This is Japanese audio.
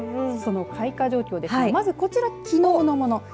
その開花状況ですがまずこれはきのうのもの。